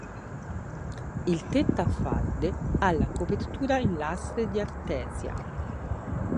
Il tetto a falde ha la copertura in lastre di ardesia.